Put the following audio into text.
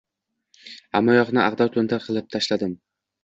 Hammayoqni ag‘dar-to‘ntar qilib tashladim.